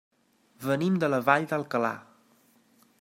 Venim de la Vall d'Alcalà.